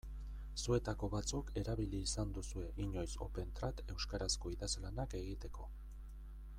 Zuetako batzuk erabili izan duzue inoiz Opentrad euskarazko idazlanak egiteko.